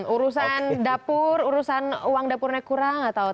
urusan dapur urusan uang dapurnya kurang atau